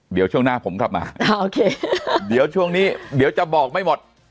เดี๋ยวช่วงหน้าผมกลับมาโอเคเดี๋ยวช่วงนี้เดี๋ยวจะบอกไม่หมด